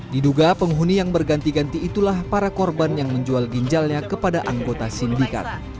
diduga penghuni yang berganti ganti itulah para korban yang menjual ginjalnya kepada anggota sindikat